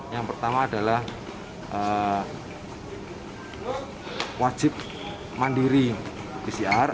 yang pertama adalah wajib mandiri pcr